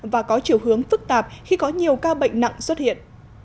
và có chiều hướng phức tạp khi có nhiều ca bệnh nặng xuất hiện